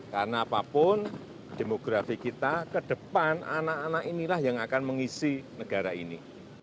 karena apapun demografi kita ke depan anak anak inilah yang akan mengisi negara ini